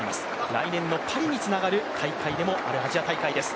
来年のパリにつながる大会でもあるアジア大会です。